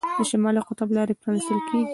د شمالي قطب لارې پرانیستل کیږي.